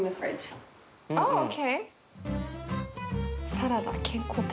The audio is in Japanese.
サラダ健康的。